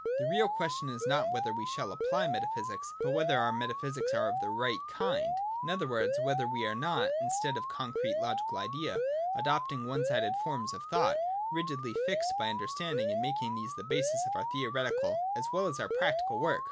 The real question is not whether we shall apply metaphysics, but whether our metaphysics are of the right kind : in other words, whether we are not, in stead of the concrete logical Idea, adopting one sided forms of thought, rigidly fixed by understanding, and making these the basis of our theoretical as well as our practical work.